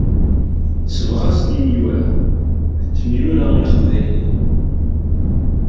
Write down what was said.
Sebɣasen imyura, d temyura iqbayliyen.